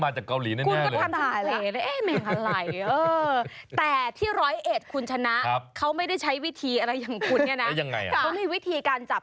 ได้ยินเสียงมั้ยคุณได้ยินครับ